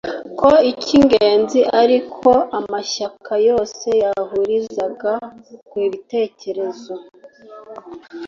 Ko ik ingenzi ari ko amashyaka yose yahurirazaga ku bitekerezo